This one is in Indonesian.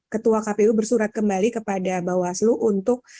ketua kpu bersurat kembali kepada bawaslu untuk